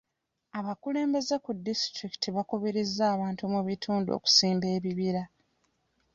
Abakulembeze ku disitulikiti bakubirizza abantu mu kitundu okusimba ebibira.